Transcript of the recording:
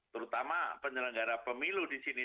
terutama penyelenggara pemilu di sini